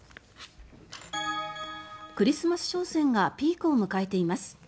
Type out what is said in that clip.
クリスマス商戦がピークを迎えています。